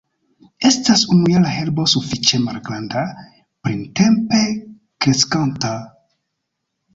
Estas unujara herbo sufiĉe malgranda, printempe kreskanta.